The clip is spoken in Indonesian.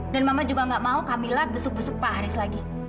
dan mama juga gak mau camilla besuk besuk pak haris lagi